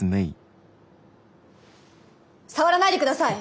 触らないでください！